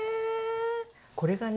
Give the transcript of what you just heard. これがね